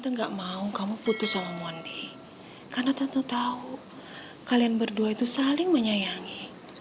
tante gak mau kamu putus sama mondi karena tante tau kalian berdua itu saling menyayangi